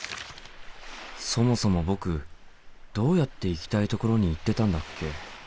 そもそも僕どうやって行きたいところに行ってたんだっけ？